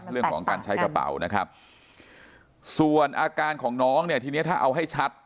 เรื่องของการใช้กระเป๋านะครับส่วนอาการของน้องเนี่ยทีเนี้ยถ้าเอาให้ชัด